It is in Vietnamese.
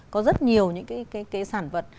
có rất nhiều những cái sản vật